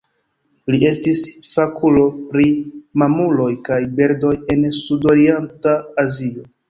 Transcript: Li estis fakulo pri mamuloj kaj birdoj el Sudorienta Azio.